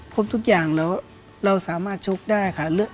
ทุกอย่างแล้วเราสามารถชกได้ค่ะ